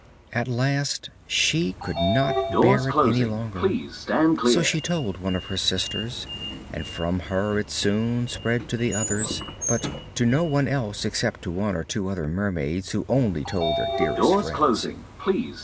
At last she could not bear it any longer, so she told one of her sisters, and from her it soon spread to the others, but to no one else except to one or two other mermaids who only told their dearest friends.